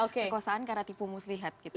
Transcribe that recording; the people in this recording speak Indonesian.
perkosaan karena tipu muslihat gitu